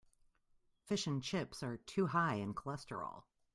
Fish and chips are too high in cholesterol.